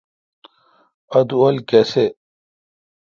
اتو اؘل کیسی۔